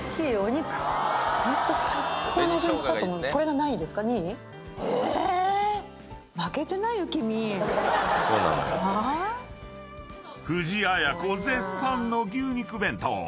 ホント。え⁉［藤あや子絶賛の牛肉弁当］